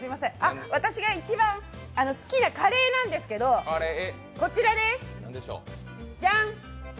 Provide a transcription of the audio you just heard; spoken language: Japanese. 私が一番好きなカレーなんですけど、こちらです、じゃん！